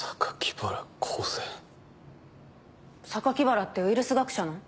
原ってウイルス学者の？